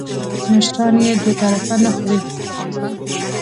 مشران یې دوه طرفه نه خوري .